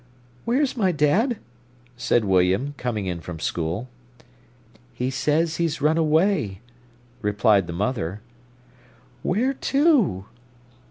"Where's my dad?" said William, coming in from school. "He says he's run away," replied the mother. "Where to?"